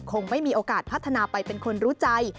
คงไม่มีโอกาสพัฒนาไปเป็นคนรู้ใจ